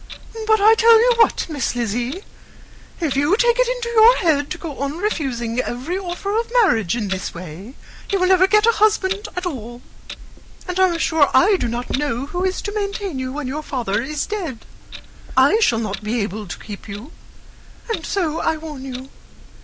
But I tell you what, Miss Lizzy, if you take it into your head to go on refusing every offer of marriage in this way, you will never get a husband at all and I am sure I do not know who is to maintain you when your father is dead. I shall not be able to keep you and so I warn you.